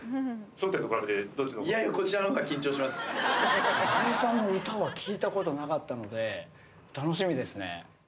たい平さんの歌は聴いたことなかったので楽しみですね